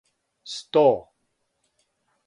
сто